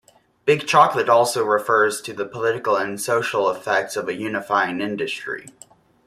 "Big Chocolate" also refers to the political and social effects of a unifying industry.